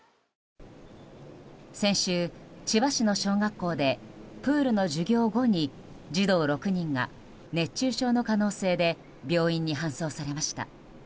先週、千葉市の小学校でプールの授業後に児童６人が熱中症の可能性で病院に搬送されました。